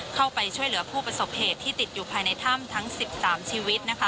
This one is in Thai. เข้าไปช่วยเหลือผู้ประสบเหตุที่ติดอยู่ภายในถ้ำทั้ง๑๓ชีวิตนะคะ